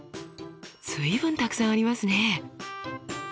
随分たくさんありますね。